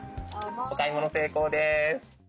お買い物成功です。